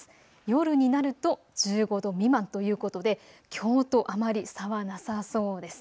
夜になると１５度未満ということで、きょうとあまり差はなさそうです。